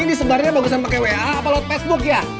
ini disebarnya bagusnya pake wa apa lo facebook ya